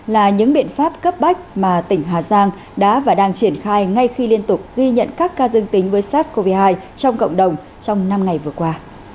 là những biện pháp cấp bách mà tỉnh hà giang đã và đang triển khai ngay khi liên tục ghi nhận các ca dương tính với sars cov hai trong cộng đồng trong năm ngày vừa qua